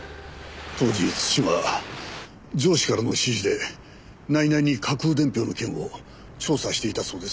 当時津島は上司からの指示で内々に架空伝票の件を調査していたそうです。